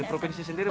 dari provinsi sendiri